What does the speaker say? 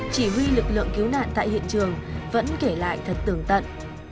chỉ huy lực lượng cứu nạn tại hiện trường vẫn kể lại thật tường tận